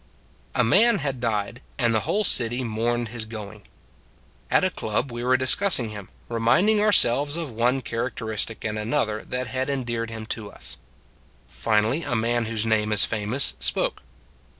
A MAN had died, and the whole city mourned his going. At a club we were discussing him, reminding ourselves of one characteristic and another that had endeared him to us. Finally a man whose name is famous spoke.